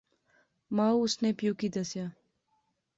مائو اس نے پیو کی دسیا